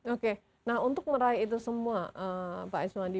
oke nah untuk meraih itu semua pak eswandi